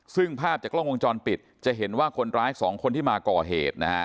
ซึ่งภาพจากกล้องวงจรปิดจะเห็นว่าคนร้ายสองคนที่มาก่อเหตุนะฮะ